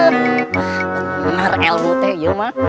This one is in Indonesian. benar ilmu itu ya mas